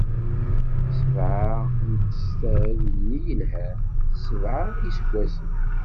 Sebɛa n testad-nni yelhan, d sebɛa n iseggasen;